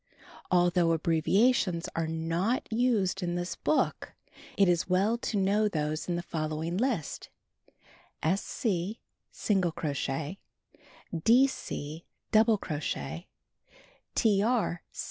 Although abbreviations are not used in this book, it is well to know those in the following list: sc. single crochet dc. double crochet tr.